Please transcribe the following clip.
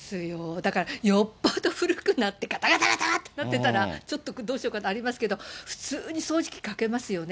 だからよっぽど古くなって、がたがたがたってなってたら、ちょっとどうしようかとありますけど、普通に掃除機かけますよね。